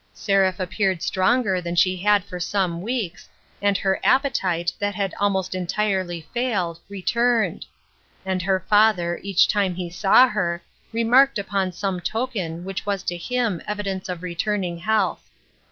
Seraph appeared stronger than she had for some weeks, and her appetite that had almost entirely failed, returned ; and her father, each time he saw her, remarked upon some token which was to him evidence of returning health.